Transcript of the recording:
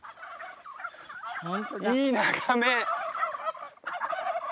いい眺め